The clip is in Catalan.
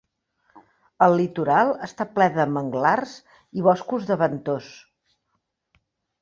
El litoral està ple de manglars i boscos de bantos.